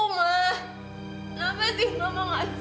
ngapain sih mama ngajarin